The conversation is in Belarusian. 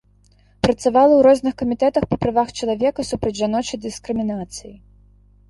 Працавала ў розных камітэтах па правах чалавека, супраць жаночай дыскрымінацыі.